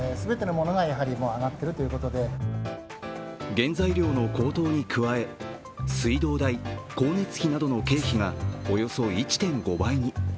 原材料の高騰に加え水道代、光熱費などの経費がおよそ１．５倍に。